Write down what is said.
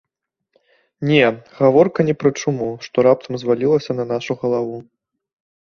Не, гаворка не пра чуму, што раптам звалілася на нашу галаву.